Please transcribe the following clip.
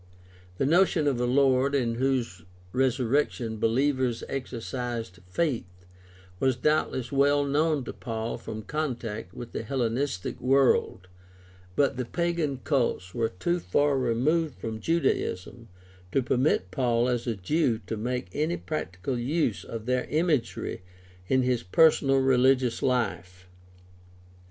The notion of a "Lord" in whose resurrection believers exercised faith was doubtless well known to Paul from contact with the Hellenistic world, but the pagan cults were too far removed from Judaism to permit Paul as a Jew to make any practical use of their imagery in his personal religious life.